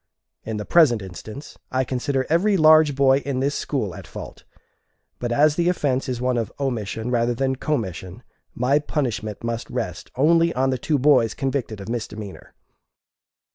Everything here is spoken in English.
In the present instance, I consider every large boy in this school at fault, but as the offence is one of omission rather than commission, my punishment must rest only on the two boys convicted of misdemeanor.